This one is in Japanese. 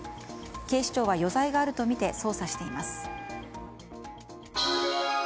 警視庁は余罪があるとみて捜査しています。